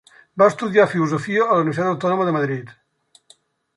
Va estudiar filosofia a la Universitat Autònoma de Madrid.